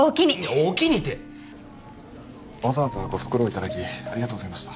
「おおきに！」てわざわざご足労いただきありがとうございました